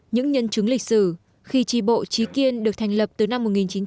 những nhân chứng lịch sử khi tri bộ trí kiên được thành lập từ năm một nghìn chín trăm chín mươi